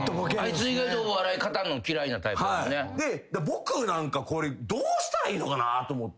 僕これどうしたらいいのかなと思って。